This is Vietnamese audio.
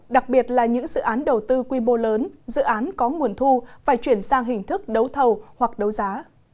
đặc biệt là những dự án đầu tư quy mô lớn dự án có nguồn thu phải chuyển sang hình thức đấu thầu hoặc đấu giá